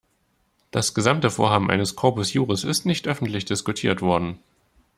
Das gesamte Vorhaben eines corpus juris ist nicht öffentlich diskutiert worden.